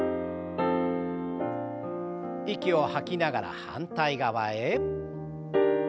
息を吐きながら反対側へ。